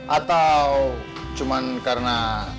atau cuma karena